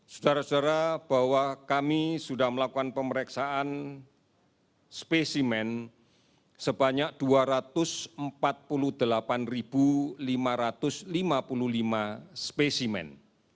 saudara saudara bahwa kami sudah melakukan pemeriksaan spesimen sebanyak dua ratus empat puluh delapan lima ratus lima puluh lima spesimen